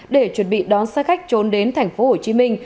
để chuẩn bị đón xe khách trốn đến tp hcm